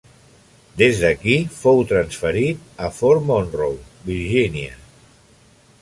Des d'aquí fou transferit a Fort Monroe, Virgínia.